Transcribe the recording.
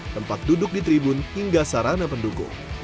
tempat duduk di tribun hingga sarana pendukung